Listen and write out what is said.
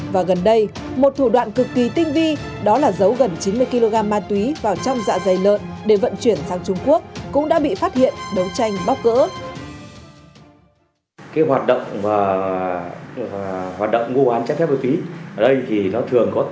và gần đây một thủ đoạn cực kỳ tinh vi đó là giấu gần chín mươi kg ma túy vào trong dạ dày lợn để vận chuyển sang trung quốc cũng đã bị phát hiện đấu tranh bóc gỡ